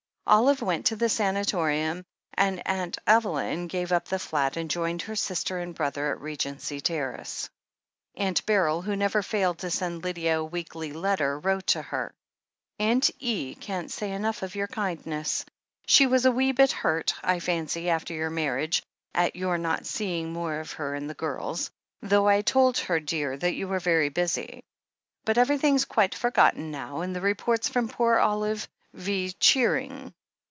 Olive went to the sanatorium, and Aunt Evelyn gave up the flat and joined her sister and brother at Regency Terrace. Aunt Beryl, who never failed to send Lydia a weekly letter, wrote to her : "Aunt E. can't say enough of your kindness. She was a wee bit hurt, I fancy, after your marriage, at your not seeing more of her and the girls, though I told her, dear, that you were very busy. But every thing's quite forgotten now, and the reports from poor Olive V. cheering.